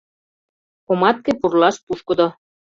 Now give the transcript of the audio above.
Помадке пурлаш пушкыдо